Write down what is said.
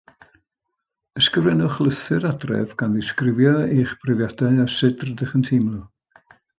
Ysgrifennwch lythyr adref, gan ddisgrifio eich brofiadau a sut rydych yn teimlo.